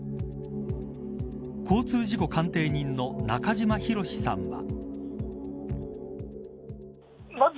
交通事故鑑定人の中島博史さんは。